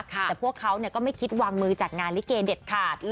แต่พวกเขาก็ไม่คิดวางมือจากงานลิเกเด็ดขาด